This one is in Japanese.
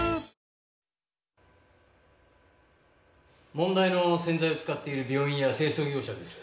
問題の洗剤を使っている病院や清掃業者です。